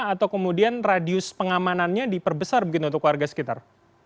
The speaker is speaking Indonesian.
atau kemudian radius pengamanannya diperbesar begitu untuk warga sekitar